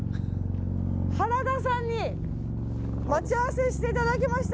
原田さんに待ち合わせしていただきました。